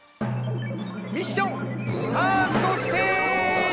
ミッションファーストステージ。